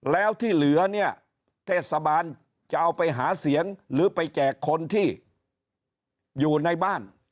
แล้วที่เหลือเนี่ยเทศบาลจะเอาไปหาเสียงหรือไปแจกคนที่อยู่ในบ้าน